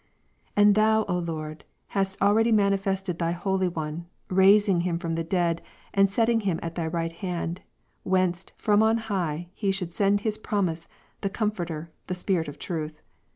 And Thou, O Lord, Eph. 1, hadst already magnified Thy Holy One, raising Him from the liuke 24 dead, and setting Him at Thy right hand, whence from on 49. John high He should send His promise, the Comforter, the Spirit '■ 'of Truth.